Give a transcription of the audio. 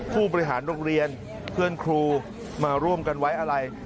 ผู้บริหารโรงเรียนเพื่อนครูมาร่วมกันไว้อะไร